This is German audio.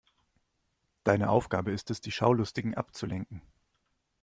Deine Aufgabe ist es, die Schaulustigen abzulenken.